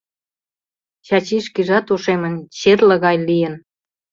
Чачи шкежат ошемын, черле гай лийын.